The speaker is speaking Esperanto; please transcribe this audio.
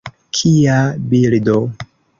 Kia bildo!